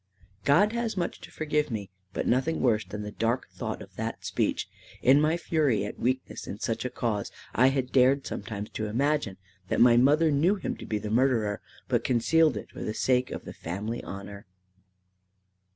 God has much to forgive me, but nothing worse than the dark thought of that speech. In my fury at weakness in such a cause, I had dared sometimes to imagine that my mother knew him to be the murderer, but concealed it for the sake of the family honour!